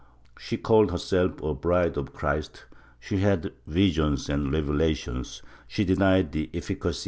She called herself a bride of Christ, she had visions and revelations, she denied the efficacy of * MSS.